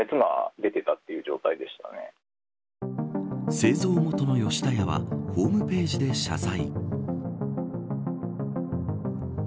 製造元の吉田屋はホームページで謝罪。